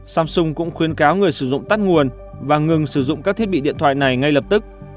samsung cũng khuyên cáo người sử dụng tắt nguồn và ngừng sử dụng các thiết bị điện thoại này ngay lập tức